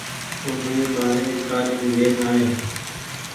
اوني ٻآري ڪآڏين لين آئي